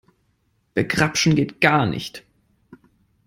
Begrapschen geht gar nicht.